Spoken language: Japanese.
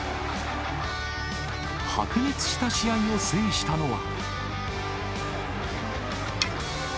白熱した試合を制したのは。